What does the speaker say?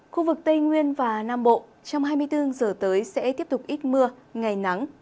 khu vực tây nguyên và nam bộ trong hai mươi bốn giờ tới sẽ tiếp tục ít mưa ngày nắng